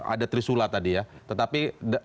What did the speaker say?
ada trisula tadi ya tetapi